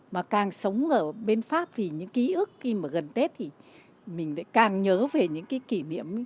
mà càng sống ở bên pháp vì những ký ức khi mà gần tết thì mình lại càng nhớ về những cái kỷ niệm